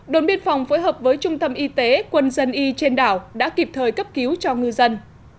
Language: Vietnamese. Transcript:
đồn biên phòng phối hợp với trung tâm y tế quân dân y trên đảo đã kịp thời cấp cứu cho ngư dân